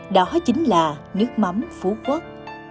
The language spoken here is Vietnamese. đó chính là nước mắm phú quốc